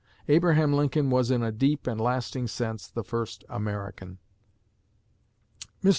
Abraham Lincoln was in a deep and lasting sense the first American." Mr.